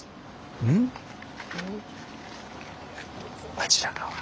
あちら側。